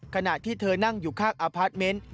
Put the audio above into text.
ขณะที่เธอนั่งอยู่ข้างอพาร์ทเมนต์